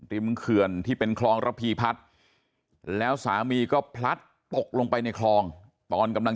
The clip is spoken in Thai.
เขื่อนที่เป็นคลองระพีพัฒน์แล้วสามีก็พลัดตกลงไปในคลองตอนกำลัง